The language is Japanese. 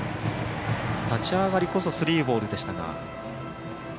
立ち上がりこそスリーボールでしたが。